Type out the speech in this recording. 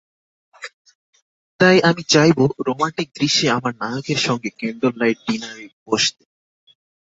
তাই আমি চাইব, রোমান্টিক দৃশ্যে আমার নায়কের সঙ্গে ক্যান্ডললাইট ডিনারে বসতে।